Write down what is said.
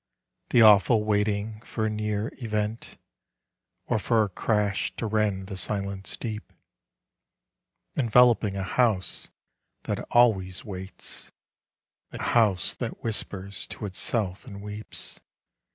— The awful waiting for a near event. Or for a crash to rend the silence deep house that always waits — A house that whispers to itself and weeps.